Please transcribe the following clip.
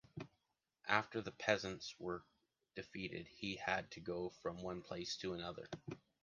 After the peasants were defeated, he had to go from one place to another.